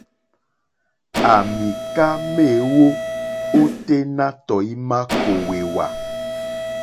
À mìká méèwó óténá tɔ̀ímá kòwèwà.